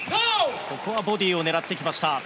ここはボディーを狙ってきました。